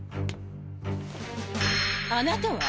あなたは？